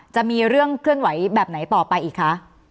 จะมีเรื่องเคลื่อนไหวแบบไหนต่อไปอีกคะ